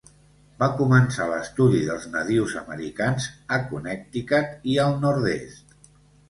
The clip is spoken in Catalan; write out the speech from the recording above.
Va començar l'estudi dels nadius americans a Connecticut i al nord-est.